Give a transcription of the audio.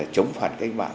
chống phản cách mạng